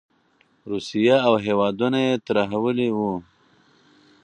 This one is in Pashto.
روسیه او هېوادونه یې ترهولي وو.